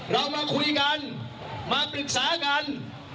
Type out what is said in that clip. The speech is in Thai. เรามาคุยกันมาปรึกษากัน